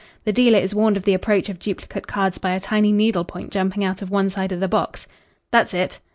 The dealer is warned of the approach of duplicate cards by a tiny needle point jumping out of one side of the box." "That's it."